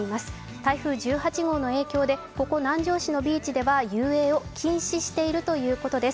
台風１８号の影響でここ南城市のビーチでは遊泳を禁止しているということです。